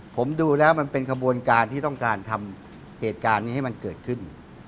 ผมดูแล้วมันเป็นขบวนการที่ต้องการทำเหตุการณ์นี้ให้มันเกิดขึ้น